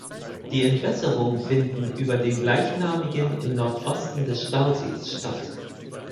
Die Entwässerung finden über den gleichnamigen im Nordosten des Stausees statt.